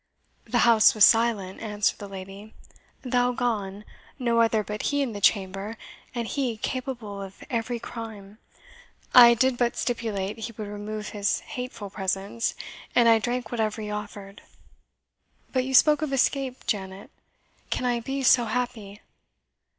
"The house was silent," answered the lady "thou gone no other but he in the chamber and he capable of every crime. I did but stipulate he would remove his hateful presence, and I drank whatever he offered. But you spoke of escape, Janet; can I be so happy?"